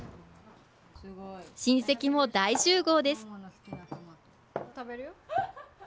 親戚も大集合です。